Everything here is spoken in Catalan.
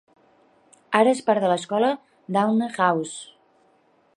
Ara és part de l'escola Downe House.